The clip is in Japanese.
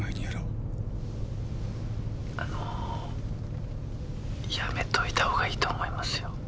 やめといた方がいいと思いますよ。